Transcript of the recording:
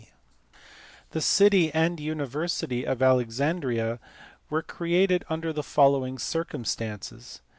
The city and university of Alexandria were created under the following circumstances.